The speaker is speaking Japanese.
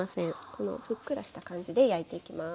このふっくらした感じで焼いていきます。